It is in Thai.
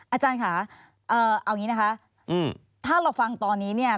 อาจารย์ค่ะเอาอย่างนี้นะคะถ้าเราฟังตอนนี้เนี่ย